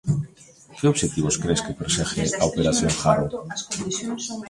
Que obxectivos cres que persegue a 'Operación Jaro'?